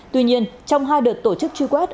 tuy nhiên trong hai đợt tổ chức truy quét